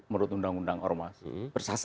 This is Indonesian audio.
menurut undang undang ormas